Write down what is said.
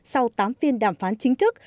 sau tám phiên đàm phán chính thức